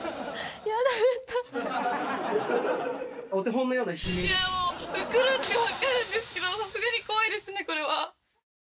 いやもう、来るって分かるんですけど、さすがに怖いですね、これは。